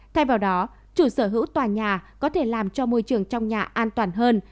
thay vào đó chủ sở hữu tòa nhà có thể làm cho môi trường trong nhà an toàn hơn